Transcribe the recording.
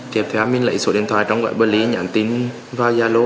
kếp theo mình lấy số điện thoại trong gọi bởi lý nhắn tin vào zalo